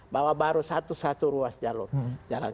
bahwa baru satu satu ruas jalur